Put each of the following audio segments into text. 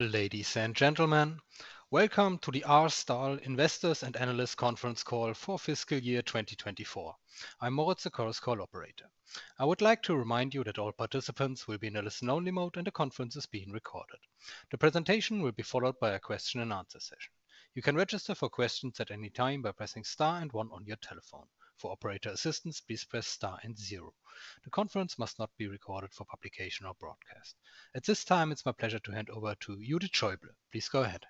Ladies and gentlemen, welcome to the R. STAHL Investors and Analysts Conference Call for Fiscal Year 2024. I'm Moritz, the call's co-operator. I would like to remind you that all participants will be in a listen-only mode and the conference is being recorded. The presentation will be followed by a question-and-answer session. You can register for questions at any time by pressing star and one on your telephone. For operator assistance, please press star and zero. The conference must not be recorded for publication or broadcast. At this time, it's my pleasure to hand over to Judith Schäuble. Please go ahead.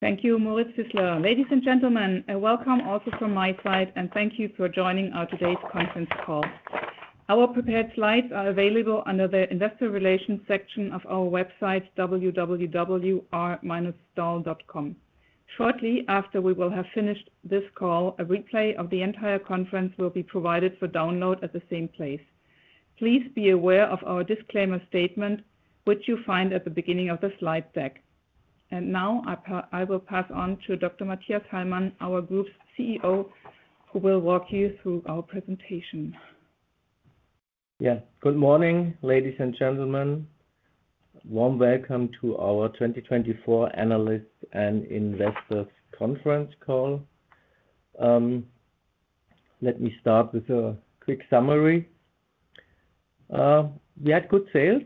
Thank you, Moritz. Ladies and gentlemen, welcome also from my side, and thank you for joining our today's conference call. Our prepared slides are available under the Investor Relations section of our website, www.r-stahl.com. Shortly after we will have finished this call, a replay of the entire conference will be provided for download at the same place. Please be aware of our disclaimer statement, which you find at the beginning of the slide deck. Now I will pass on to Dr. Mathias Hallmann, our group's CEO, who will walk you through our presentation. Yeah, good morning, ladies and gentlemen. Warm welcome to our 2024 Analysts and Investors Conference Call. Let me start with a quick summary. We had good sales,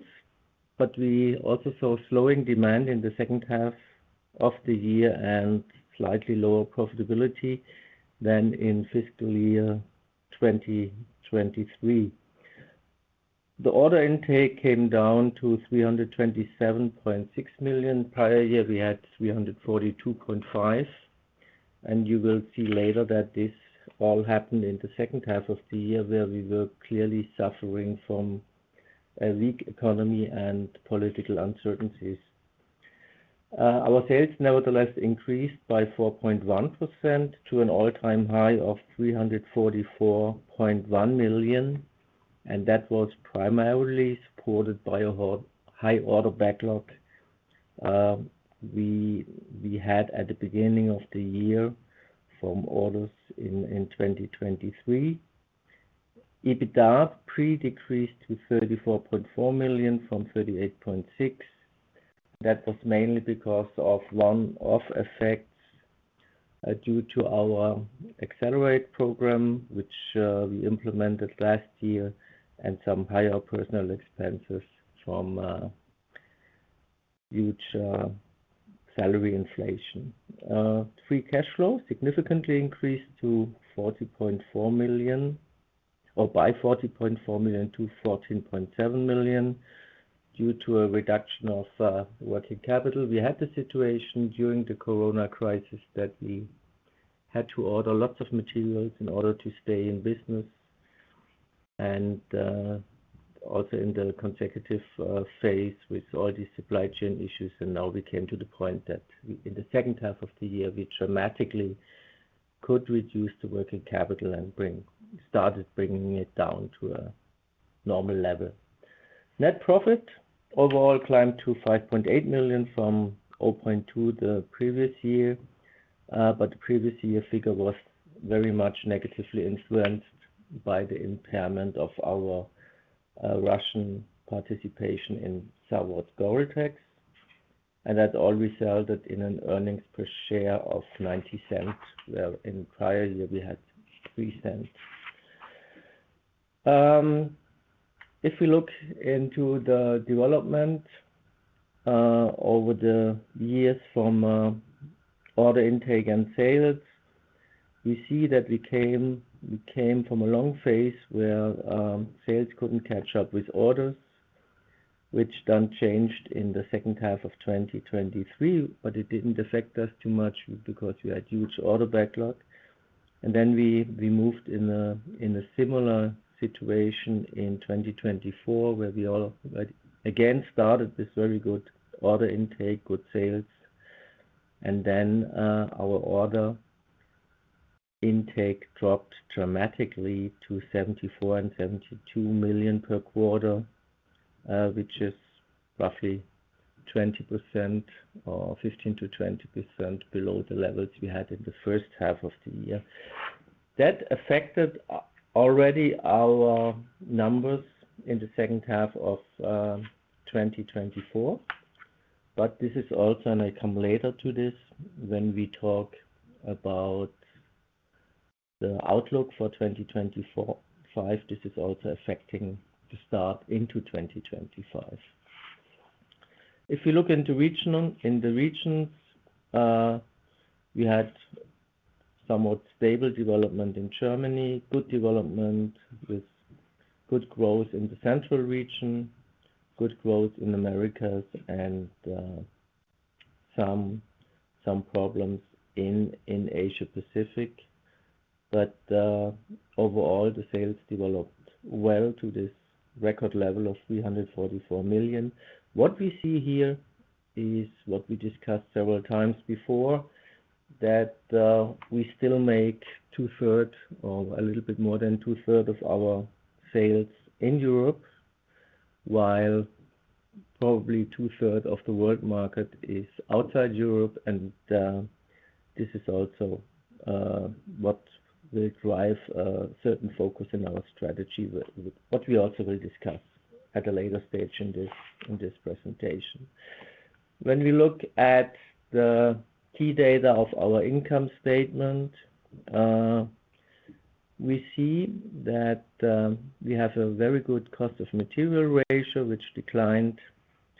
but we also saw slowing demand in the H2 of the year and slightly lower profitability than in fiscal year 2023. The order intake came down to 327.6 million. Prior year, we had 342.5 million. You will see later that this all happened in the H2 of the year, where we were clearly suffering from a weak economy and political uncertainties. Our sales nevertheless increased by 4.1% to an all-time high of 344.1 million, and that was primarily supported by a high order backlog we had at the beginning of the year from orders in 2023. EBITDA pre-decreased to 34.4 million from 38.6 million. That was mainly because of one-off effects due to our Accelerate Program, which we implemented last year, and some higher personnel expenses from huge salary inflation. Free cash flow significantly increased to 40.4 million or by 40.4 million to 14.7 million due to a reduction of working capital. We had the situation during the corona crisis that we had to order lots of materials in order to stay in business and also in the consecutive phase with all these supply chain issues. Now we came to the point that in the H2 of the year, we dramatically could reduce the working capital and started bringing it down to a normal level. Net profit overall climbed to 5.8 million from 0.2 million the previous year, but the previous year figure was very much negatively influenced by the impairment of our Russian participation in Goreltex. That all resulted in an earnings per share of 0.90, where in prior year we had 0.03. If we look into the development over the years from order intake and sales, we see that we came from a long phase where sales could not catch up with orders, which then changed in the H2 of 2023. It did not affect us too much because we had huge order backlog. We moved in a similar situation in 2024, where we all again started with very good order intake, good sales, and then our order intake dropped dramatically to 74 million and 72 million per quarter, which is roughly 15% to 20% below the levels we had in the first half of the year. That affected already our numbers in the H2 of 2024, but this is also an accumulator to this. When we talk about the outlook for 2025, this is also affecting the start into 2025. If we look in the regions, we had somewhat stable development in Germany, good development with good growth in the Central Region, good growth in the Americas, and some problems in Asia-Pacific. Overall, the sales developed well to this record level of 344 million. What we see here is what we discussed several times before, that we still make 2/3 or a little bit more than 2/3 of our sales in Europe, while probably 2/3 of the world market is outside Europe. This is also what will drive a certain focus in our strategy, what we also will discuss at a later stage in this presentation. When we look at the key data of our income statement, we see that we have a very good cost of material ratio, which declined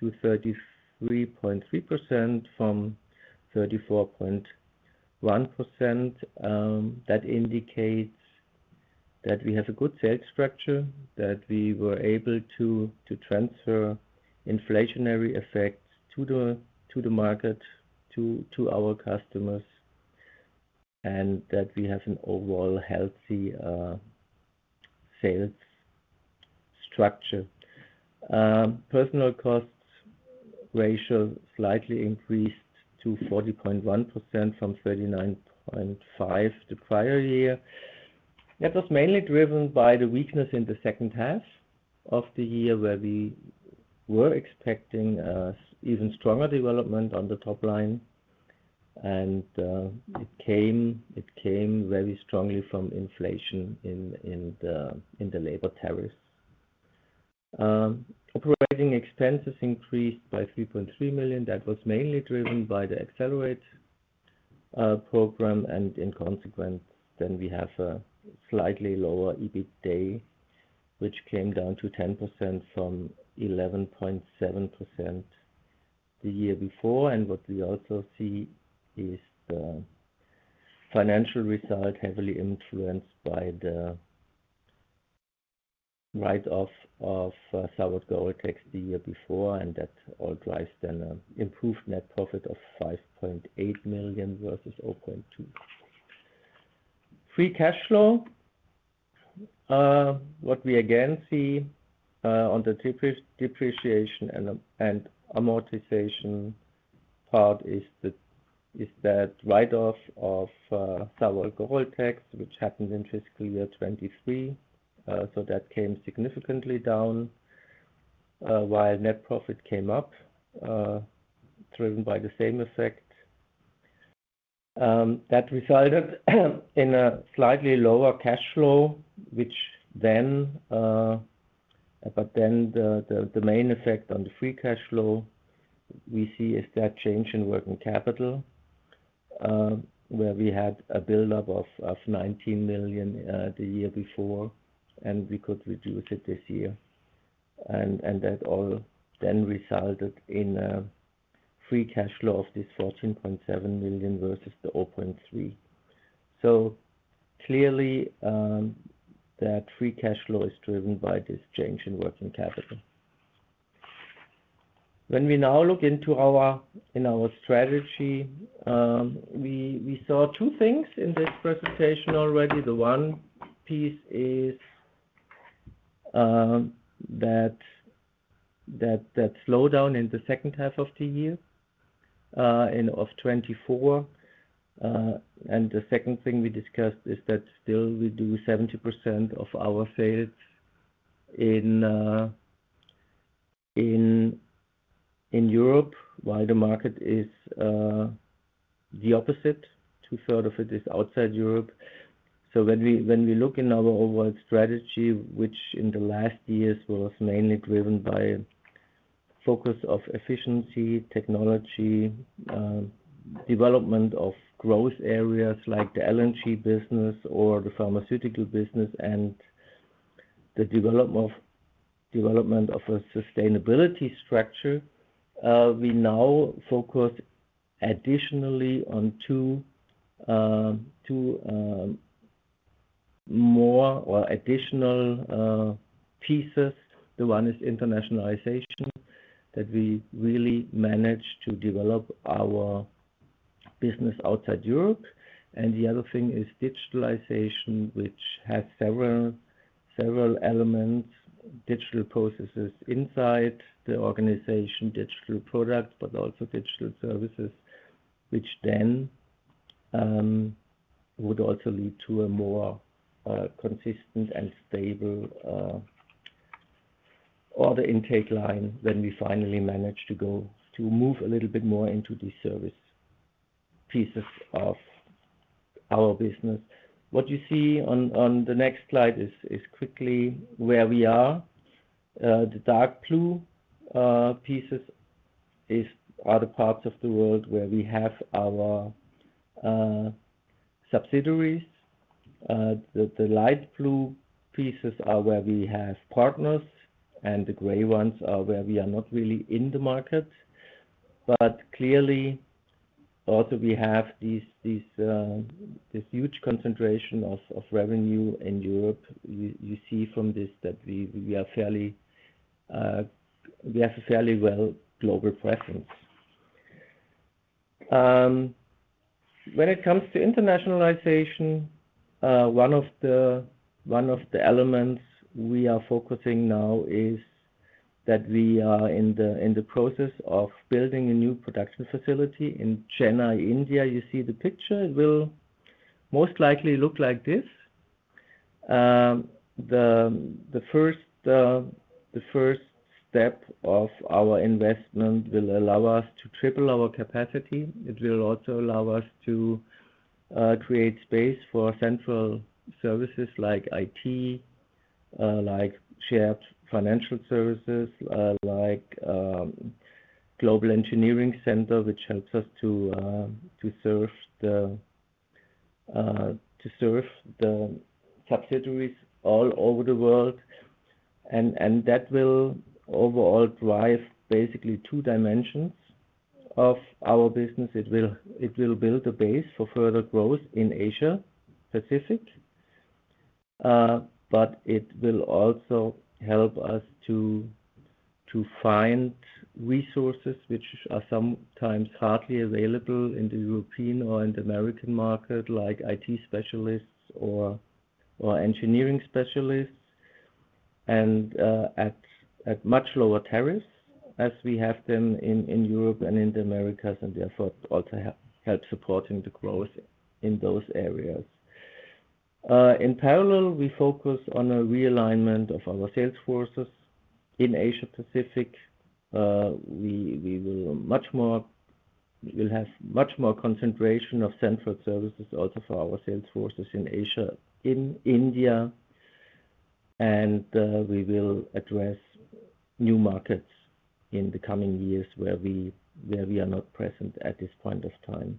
to 33.3% from 34.1%. That indicates that we have a good sales structure, that we were able to transfer inflationary effects to the market, to our customers, and that we have an overall healthy sales structure. Personnel cost ratio slightly increased to 40.1% from 39.5% the prior year. That was mainly driven by the weakness in the H2 of the year, where we were expecting even stronger development on the top line, and it came very strongly from inflation in the labor tariffs. Operating expenses increased by 3.3 million. That was mainly driven by the Accelerate Program, and in consequence, then we have a slightly lower EBITDA, which came down to 10% from 11.7% the year before. What we also see is the financial result heavily influenced by the write-off of Zavod Goreltex the year before, and that all drives then an improved net profit of 5.8 million versus 0.2 million. Free cash flow, what we again see on the depreciation and amortization part is that write-off of Zavod Goreltex, which happened in fiscal year 2023. That came significantly down, while net profit came up, driven by the same effect. That resulted in a slightly lower cash flow, which then, but then the main effect on the free cash flow we see is that change in working capital, where we had a build-up of 19 million the year before, and we could reduce it this year. That all then resulted in a free cash flow of this 14.7 million versus the 0.3 million. Clearly, that free cash flow is driven by this change in working capital. When we now look into our strategy, we saw two things in this presentation already. The one piece is that slowdown in the H2 of the year of 2024. The second thing we discussed is that still we do 70% of our sales in Europe, while the market is the opposite. 2/3 of it is outside Europe. When we look in our overall strategy, which in the last years was mainly driven by focus of efficiency, technology, development of growth areas like the LNG business or the pharmaceutical business, and the development of a sustainability structure, we now focus additionally on two more or additional pieces. The one is internationalization, that we really managed to develop our business outside Europe. The other thing is digitalization, which has several elements: digital processes inside the organization, digital products, but also digital services, which then would also lead to a more consistent and stable order intake line when we finally manage to go to move a little bit more into the service pieces of our business. What you see on the next slide is quickly where we are. The dark blue pieces are the parts of the world where we have our subsidiaries. The light blue pieces are where we have partners, and the gray ones are where we are not really in the market. Clearly, also we have this huge concentration of revenue in Europe. You see from this that we have a fairly well global presence. When it comes to internationalization, one of the elements we are focusing on now is that we are in the process of building a new production facility in Chennai, India. You see the picture. It will most likely look like this. The first step of our investment will allow us to triple our capacity. It will also allow us to create space for central services like IT, like shared financial services, like Global Engineering Center, which helps us to serve the subsidiaries all over the world. That will overall drive basically two dimensions of our business. It will build a base for further growth in Asia-Pacific, but it will also help us to find resources, which are sometimes hardly available in the European or in the American market, like IT specialists or engineering specialists, and at much lower tariffs as we have them in Europe and in the Americas, and therefore also help supporting the growth in those areas. In parallel, we focus on a realignment of our sales forces in Asia-Pacific. We will have much more concentration of central services also for our sales forces in Asia, in India, and we will address new markets in the coming years where we are not present at this point of time.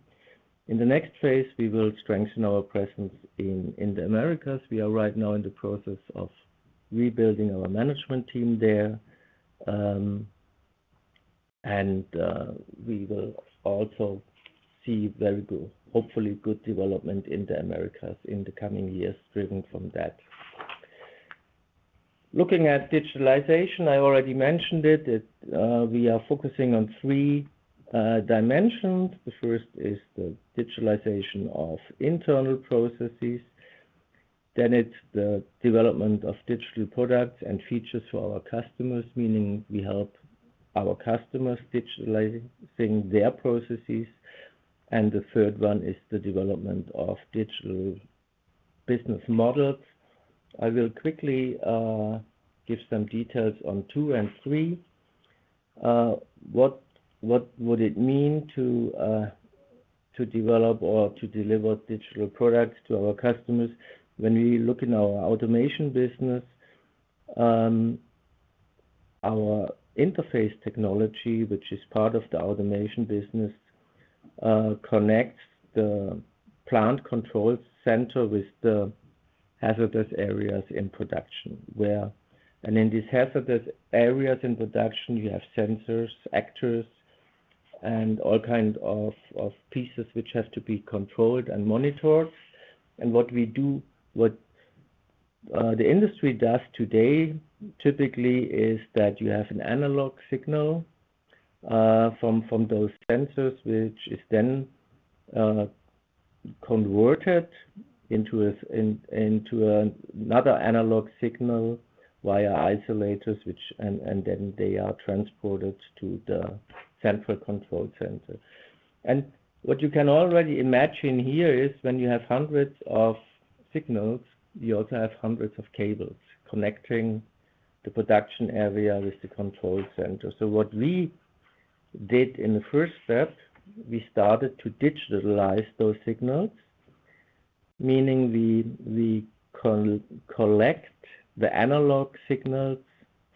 In the next phase, we will strengthen our presence in the Americas. We are right now in the process of rebuilding our management team there, and we will also see very good, hopefully good development in the Americas in the coming years driven from that. Looking at digitalization, I already mentioned it. We are focusing on three dimensions. The first is the digitalization of internal processes. Then it is the development of digital products and features for our customers, meaning we help our customers digitalizing their processes. The third one is the development of digital business models. I will quickly give some details on two and three. What would it mean to develop or to deliver digital products to our customers? When we look in our automation business, our interface technology, which is part of the automation business, connects the plant control center with the hazardous areas in production. In these hazardous areas in production, you have sensors, actors, and all kinds of pieces which have to be controlled and monitored. What the industry does today typically is that you have an analog signal from those sensors, which is then converted into another analog signal via isolators, and then they are transported to the central control center. What you can already imagine here is when you have hundreds of signals, you also have hundreds of cables connecting the production area with the control center. What we did in the first step, we started to digitalize those signals, meaning we collect the analog signals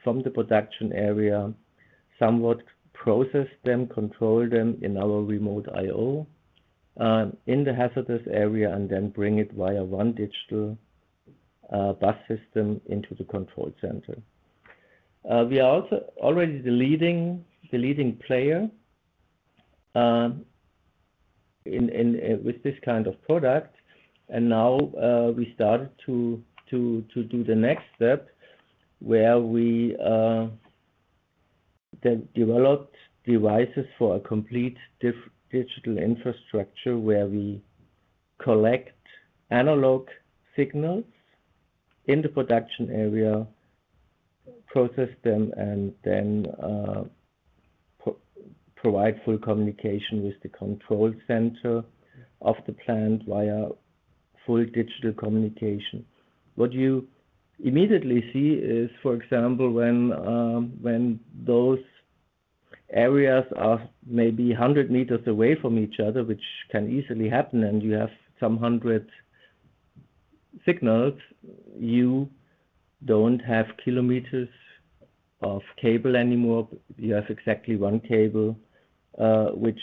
from the production area, somewhat process them, control them in our Remote I/O in the hazardous area, and then bring it via one digital bus system into the control center. We are also already the leading player with this kind of product, and now we started to do the next step, where we developed devices for a complete digital infrastructure where we collect analog signals in the production area, process them, and then provide full communication with the control center of the plant via full digital communication. What you immediately see is, for example, when those areas are maybe 100 meters away from each other, which can easily happen, and you have some hundred signals, you do not have kilometers of cable anymore. You have exactly one cable, which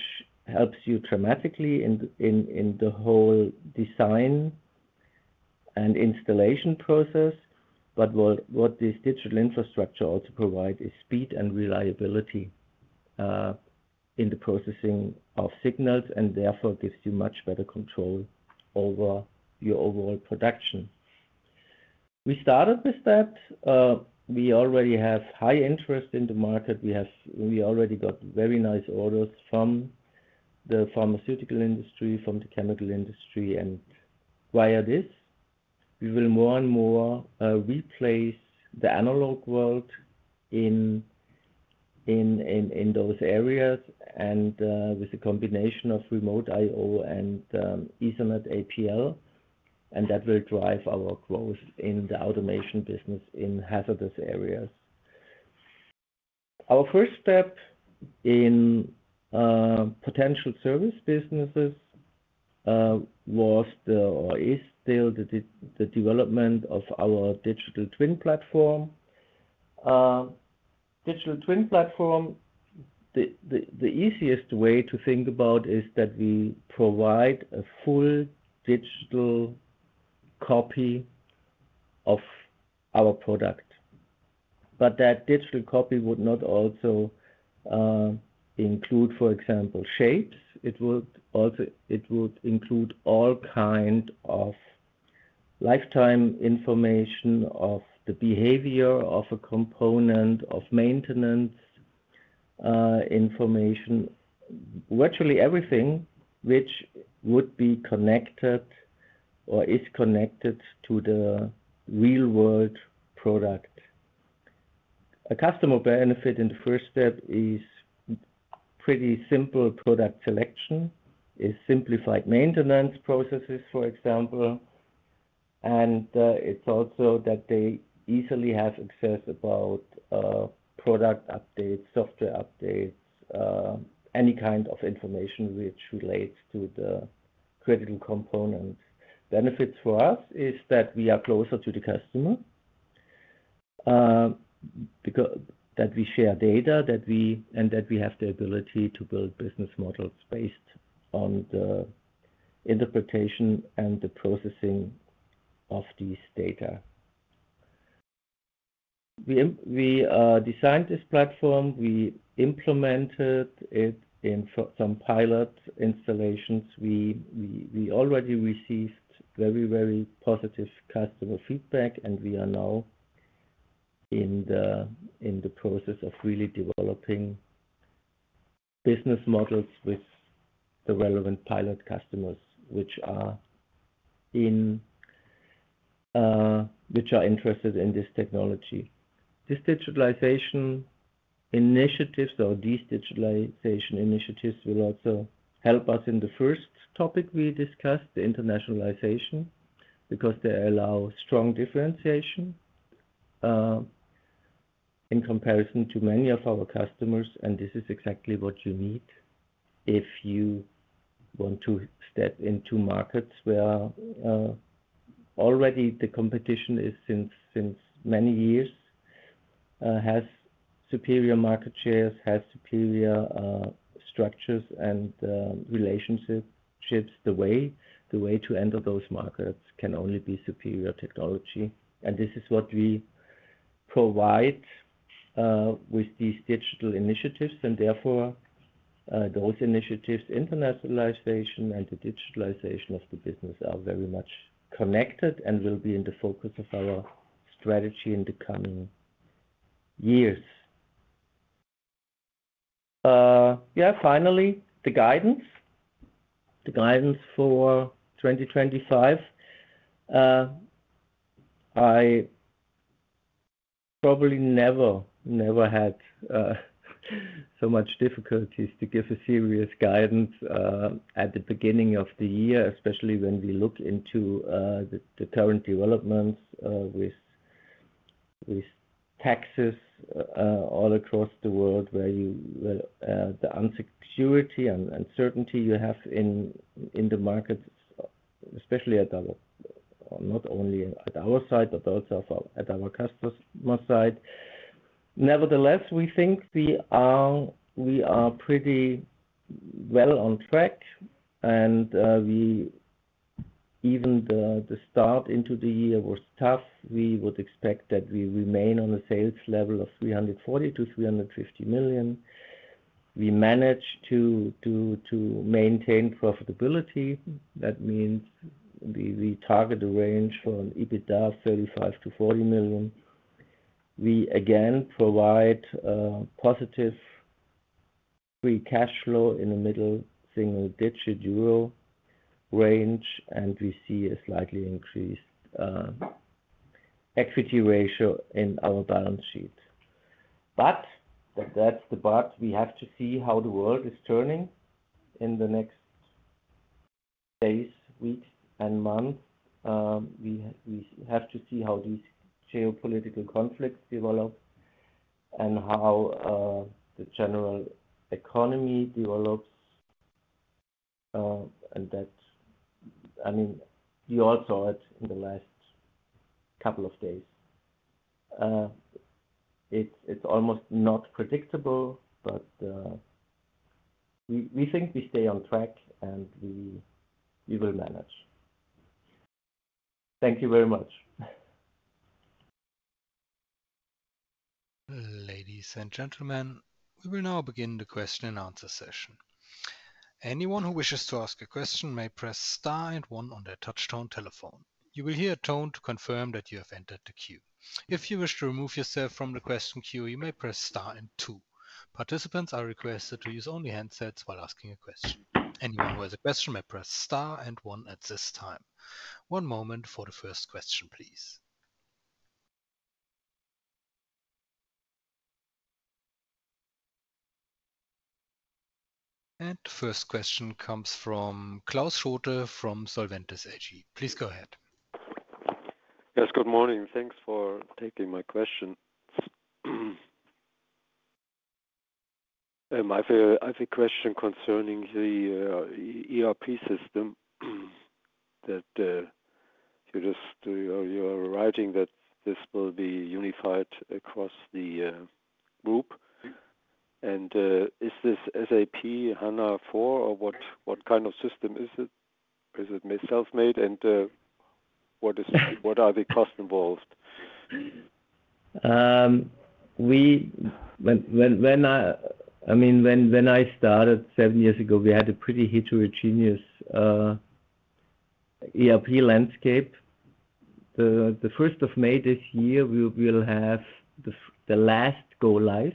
helps you dramatically in the whole design and installation process. What this digital infrastructure also provides is speed and reliability in the processing of signals, and therefore gives you much better control over your overall production. We started with that. We already have high interest in the market. We already got very nice orders from the pharmaceutical industry, from the chemical industry, and via this, we will more and more replace the analog world in those areas with a combination of remote IO and Ethernet APL, and that will drive our growth in the automation business in hazardous areas. Our first step in potential service businesses was, or is still, the development of our digital twin platform. Digital twin platform, the easiest way to think about is that we provide a full digital copy of our product. That digital copy would not also include, for example, shapes. It would include all kinds of lifetime information of the behavior of a component, of maintenance information, virtually everything which would be connected or is connected to the real-world product. A customer benefit in the first step is pretty simple product selection, is simplified maintenance processes, for example. It is also that they easily have access to product updates, software updates, any kind of information which relates to the critical components. Benefits for us are that we are closer to the customer, that we share data, and that we have the ability to build business models based on the interpretation and the processing of these data. We designed this platform. We implemented it in some pilot installations. We already received very, very positive customer feedback, and we are now in the process of really developing business models with the relevant pilot customers which are interested in this technology. These digitalization initiatives or these digitalization initiatives will also help us in the first topic we discussed, the internationalization, because they allow strong differentiation in comparison to many of our customers, and this is exactly what you need if you want to step into markets where already the competition is since many years, has superior market shares, has superior structures and relationships. The way to enter those markets can only be superior technology. This is what we provide with these digital initiatives, and therefore those initiatives, internationalization and the digitalization of the business are very much connected and will be in the focus of our strategy in the coming years. Yeah, finally, the guidance. The guidance for 2025. I probably never had so much difficulty to give a serious guidance at the beginning of the year, especially when we look into the current developments with taxes all across the world, where the insecurity and uncertainty you have in the markets, especially not only at our side, but also at our customer side. Nevertheless, we think we are pretty well on track, and even the start into the year was tough. We would expect that we remain on a sales level of 340 million to 350 million. We managed to maintain profitability. That means we target a range for an EBITDA of 35 million to 40 million. We again provide positive free cash flow in the middle single-digit Euro range, and we see a slightly increased equity ratio in our balance sheet. That is the part. We have to see how the world is turning in the next days, weeks, and months. We have to see how these geopolitical conflicts develop and how the general economy develops. I mean, you all saw it in the last couple of days. It's almost not predictable, but we think we stay on track, and we will manage. Thank you very much. Ladies and gentlemen, we will now begin the question and answer session. Anyone who wishes to ask a question may press star and one on their touchscreen telephone. You will hear a tone to confirm that you have entered the queue. If you wish to remove yourself from the question queue, you may press star and two. Participants are requested to use only handsets while asking a question. Anyone who has a question may press star and one at this time. One moment for the first question, please. The first question comes from Klaus Schlote from Solventis AG. Please go ahead. Yes, good morning. Thanks for taking my question. I have a question concerning the ERP system that you're writing that this will be unified across the group. Is this SAP S/4HANA, or what kind of system is it? Is it self-made, and what are the costs involved? I mean, when I started seven years ago, we had a pretty heterogeneous ERP landscape. The 1 May this year, we will have the last go-live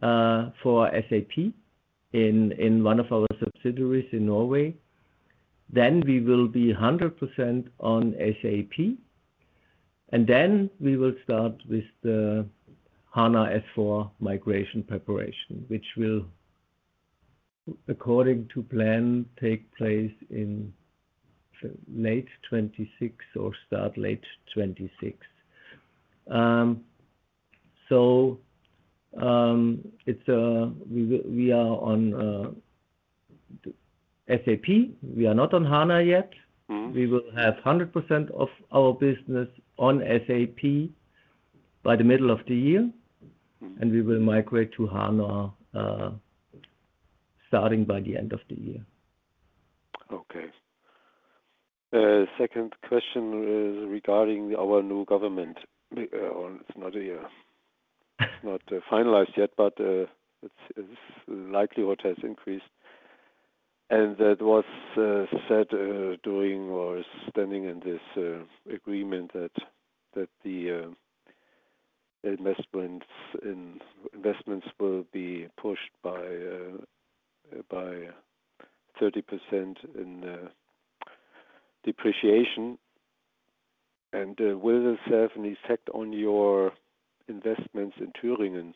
for SAP in one of our subsidiaries in Norway. Then we will be 100% on SAP, and we will start with the HANA S/4 migration preparation, which will, according to plan, take place in late 2026 or start late 2026. We are on SAP. We are not on HANA yet. We will have 100% of our business on SAP by the middle of the year, and we will migrate to HANA starting by the end of the year. Okay. Second question is regarding our new government. It is not finalized yet, but the likelihood has increased. That was said during or standing in this agreement that the investments will be pushed by 30% in depreciation. Will this have an effect on your investments in Thüringen?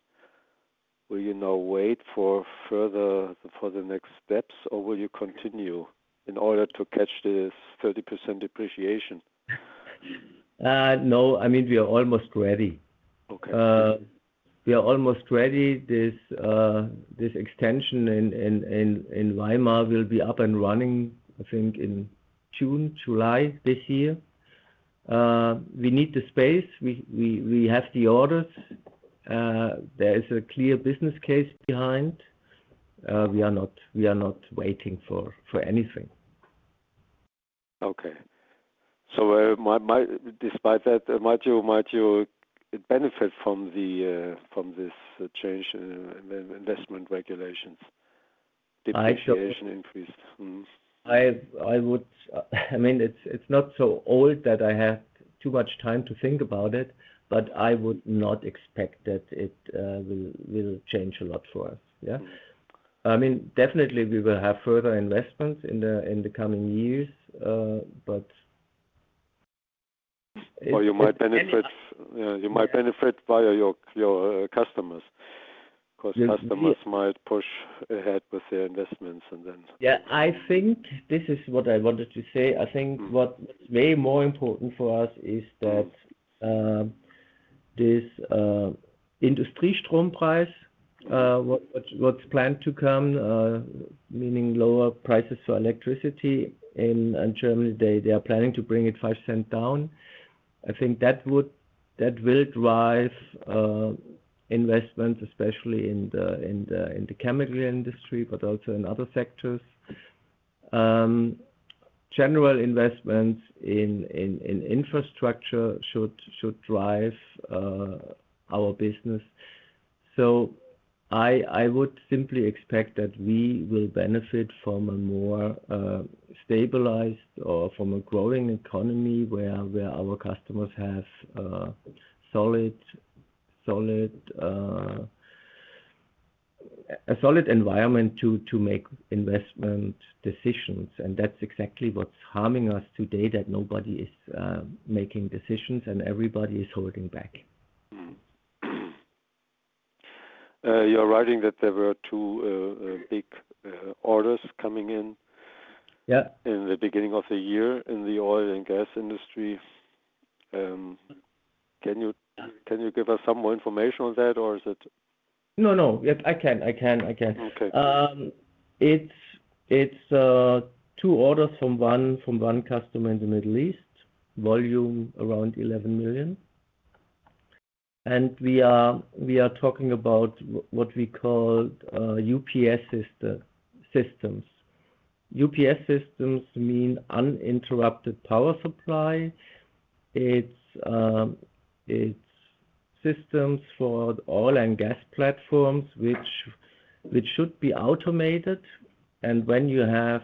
Will you now wait for further next steps, or will you continue in order to catch this 30% depreciation? No, I mean, we are almost ready. We are almost ready. This extension in Weimar will be up and running, I think, in June, July this year. We need the space. We have the orders. There is a clear business case behind. We are not waiting for anything. Okay. Despite that, might you benefit from this change in investment regulations? Depreciation increase. I mean, it's not so old that I have too much time to think about it, but I would not expect that it will change a lot for us. Yeah. I mean, definitely, we will have further investments in the coming years, but it's. You might benefit via your customers because customers might push ahead with their investments and then. Yeah. I think this is what I wanted to say. I think what's way more important for us is that this Industriestrompreis, what's planned to come, meaning lower prices for electricity in Germany, they are planning to bring it 0.05 down. I think that will drive investments, especially in the chemical industry, but also in other sectors. General investments in infrastructure should drive our business. I would simply expect that we will benefit from a more stabilized or from a growing economy where our customers have a solid environment to make investment decisions. That's exactly what's harming us today, that nobody is making decisions and everybody is holding back. You're writing that there were two big orders coming in in the beginning of the year in the oil and gas industry. Can you give us some more information on that, or is it? No, no. I can. I can. I can. It's two orders from one customer in the Middle East, volume around 11 million. We are talking about what we call UPS systems. UPS systems mean uninterrupted power supply. It's systems for oil and gas platforms which should be automated. When you have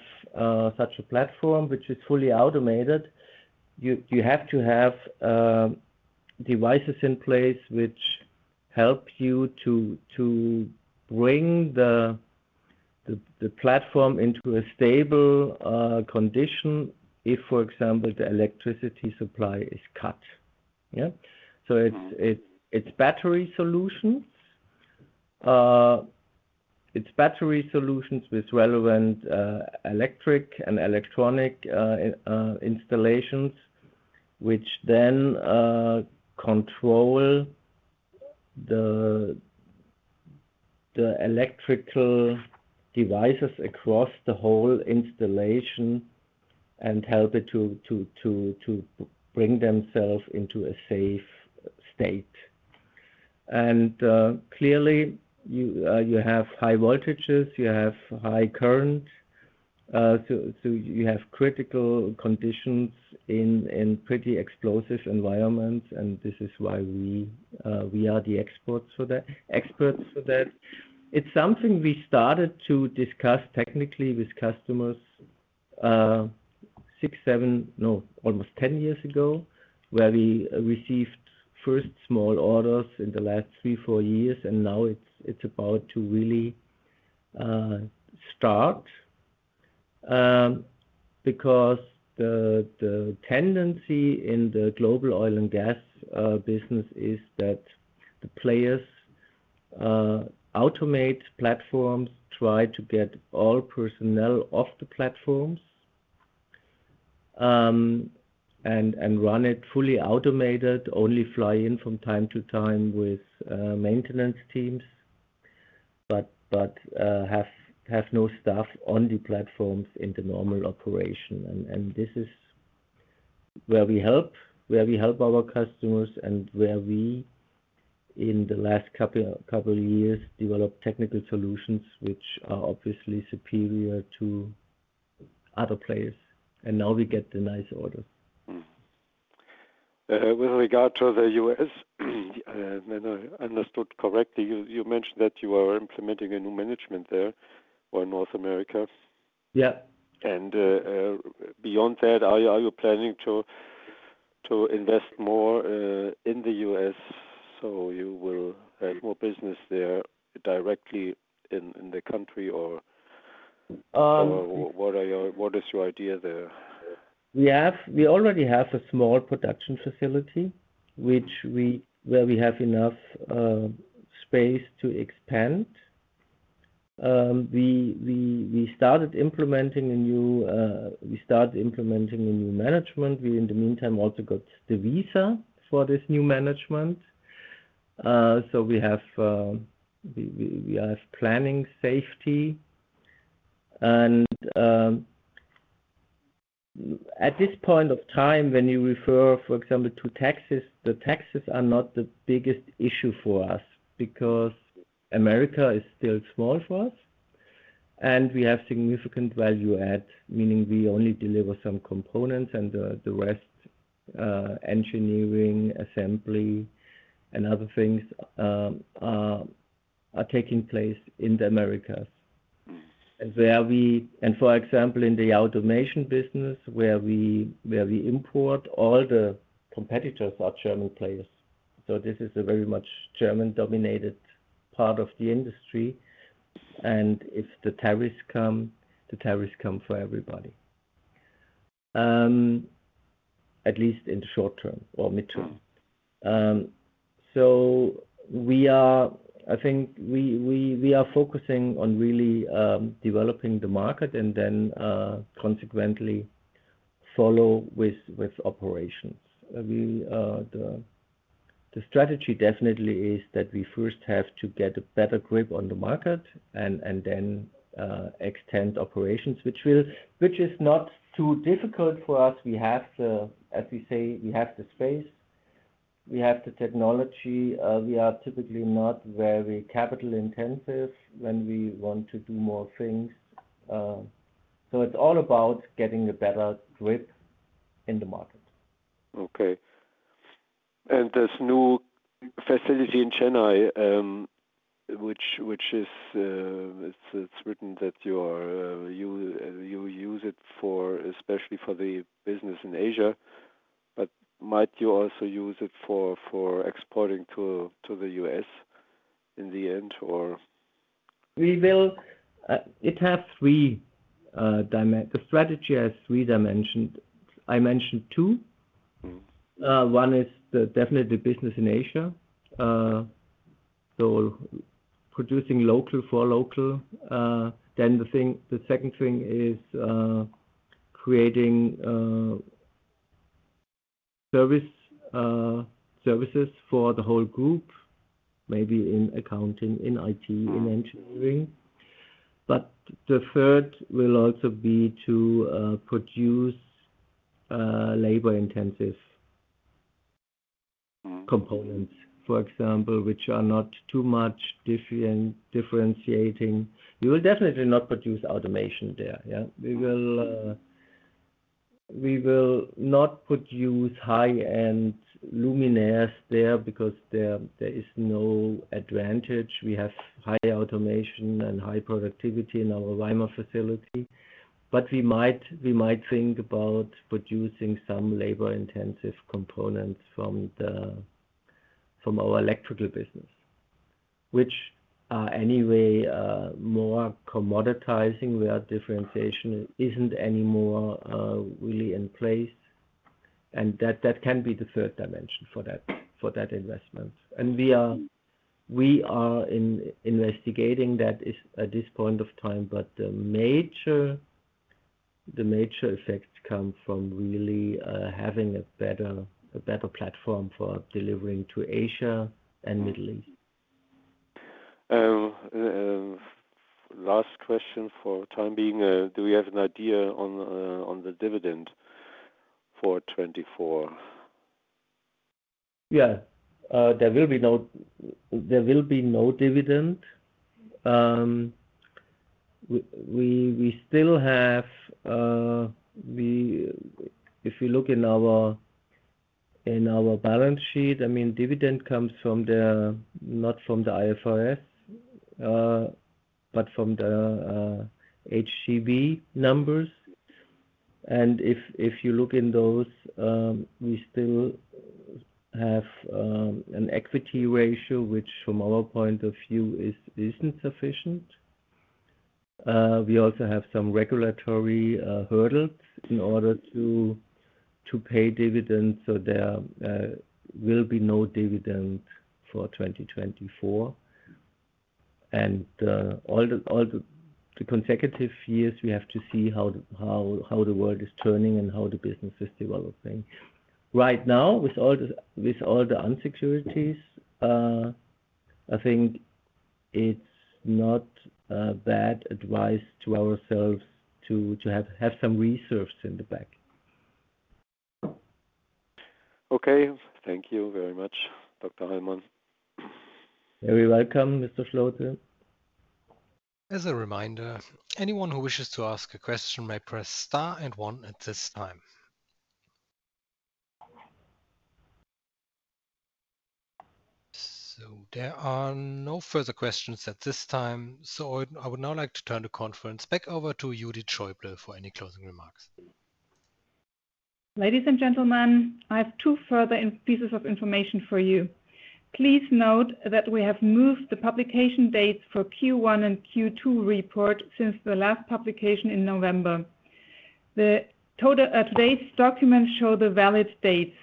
such a platform which is fully automated, you have to have devices in place which help you to bring the platform into a stable condition if, for example, the electricity supply is cut. Yeah. It is battery solutions. It is battery solutions with relevant electric and electronic installations which then control the electrical devices across the whole installation and help it to bring themselves into a safe state. Clearly, you have high voltages. You have high current. You have critical conditions in pretty explosive environments, and this is why we are the experts for that. It's something we started to discuss technically with customers six, seven, no, almost 10 years ago, where we received first small orders in the last three, four years, and now it's about to really start because the tendency in the global oil and gas business is that the players automate platforms, try to get all personnel off the platforms, and run it fully automated, only fly in from time to time with maintenance teams, but have no staff on the platforms in the normal operation. This is where we help our customers and where we, in the last couple of years, developed technical solutions which are obviously superior to other players. Now we get the nice orders. With regard to the US, I understood correctly, you mentioned that you are implementing a new management there for North America. Beyond that, are you planning to invest more in the US so you will have more business there directly in the country, or what is your idea there? We already have a small production facility where we have enough space to expand. We started implementing a new management. We, in the meantime, also got the visa for this new management. So we have planning safety. At this point of time, when you refer, for example, to taxes, the taxes are not the biggest issue for us because America is still small for us, and we have significant value add, meaning we only deliver some components, and the rest engineering, assembly, and other things are taking place in the Americas. For example, in the automation business, where we import, all the competitors are German players. This is a very much German-dominated part of the industry. If the tariffs come, the tariffs come for everybody, at least in the short term or midterm. I think we are focusing on really developing the market and then, consequently, follow with operations. The strategy definitely is that we first have to get a better grip on the market and then extend operations, which is not too difficult for us. We have, as we say, the space. We have the technology. We are typically not very capital-intensive when we want to do more things. It is all about getting a better grip in the market. Okay. This new facility in Chennai, which it is written that you use it especially for the business in Asia, but might you also use it for exporting to the US in the end, or? It has three dimensions. The strategy has three dimensions. I mentioned two. One is definitely the business in Asia. Producing local for local. The second thing is creating services for the whole group, maybe in accounting, in IT, in engineering. The third will also be to produce labor-intensive components, for example, which are not too much differentiating. We will definitely not produce automation there. Yeah. We will not produce high-end luminaires there because there is no advantage. We have high automation and high productivity in our Weimar facility. We might think about producing some labor-intensive components from our electrical business, which are anyway more commoditizing where differentiation is not really in place anymore. That can be the third dimension for that investment. We are investigating that at this point of time, but the major effects come from really having a better platform for delivering to Asia and Middle East. Last question for the time being, do we have an idea on the dividend for 2024? Yeah. There will be no dividend. If you look in our balance sheet, I mean, dividend comes not from the IFRS, but from the HGB numbers. If you look in those, we still have an equity ratio, which from our point of view is not sufficient. We also have some regulatory hurdles in order to pay dividends. There will be no dividend for 2024. All the consecutive years, we have to see how the world is turning and how the business is developing. Right now, with all the uncertainties, I think it is not bad advice to ourselves to have some reserves in the back. Okay. Thank you very much, Dr. Hallmann. You're welcome, Mr. Schlote. As a reminder, anyone who wishes to ask a question may press star and one at this time. There are no further questions at this time. I would now like to turn the conference back over to Judith Schäuble for any closing remarks. Ladies and gentlemen, I have two further pieces of information for you. Please note that we have moved the publication dates for Q1 and Q2 reports since the last publication in November. Today's documents show the valid dates.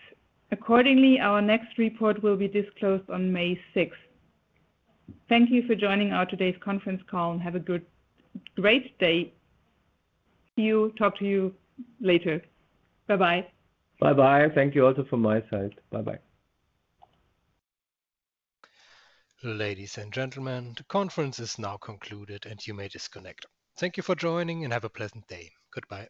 Accordingly, our next report will be disclosed on May 6th. Thank you for joining our today's conference call and have a great day. Talk to you later. Bye-bye. Bye-bye. Thank you also from my side. Bye-bye. Ladies and gentlemen, the conference is now concluded, and you may disconnect. Thank you for joining, and have a pleasant day. Goodbye.